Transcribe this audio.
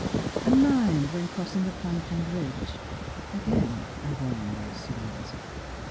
An' mind when crossin' the planken bridge, Again I warn ye o' summat.